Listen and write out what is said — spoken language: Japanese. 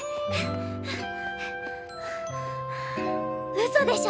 うそでしょ！？